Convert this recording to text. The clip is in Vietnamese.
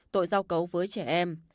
tội giao cấu với trẻ em